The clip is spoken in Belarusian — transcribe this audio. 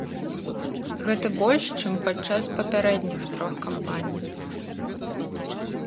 Гэта больш, чым падчас папярэдніх трох кампаній.